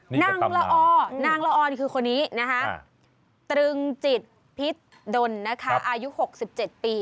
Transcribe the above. นนางลอนางลออ่นคือคนนี้นะฮะตรึงจิตพิษดนอายุหกสิบเจ็ดปี